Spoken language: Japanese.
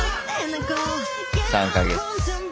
３か月。